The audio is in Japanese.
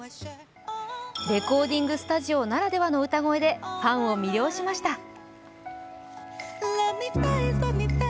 レコーディングスタジオならではの歌声でファンを魅了しました。